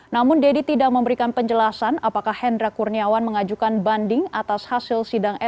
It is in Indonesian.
namun deddy tidak memberikan penjelasan apakah hendra kurniawan mengajukan banding atas hasil sidang